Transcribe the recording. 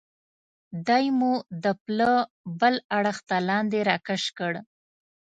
دی مو د پله بل اړخ ته لاندې را کش کړ.